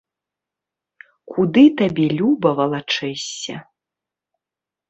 Куды табе люба валачэшся.